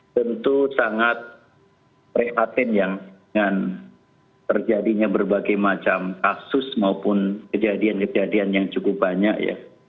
tentu sangat prihatin ya dengan terjadinya berbagai macam kasus maupun kejadian kejadian yang cukup banyak ya